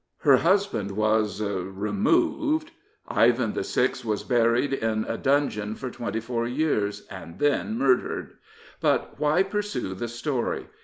Her husband was removed." Ivan VI. was buried in a dungeon for twenty four years and then murdered. But why pursue the story?